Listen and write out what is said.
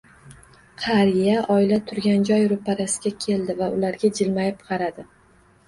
Qariya oila turgan joy roʻparasiga keldi va ularga jilmayib qaradi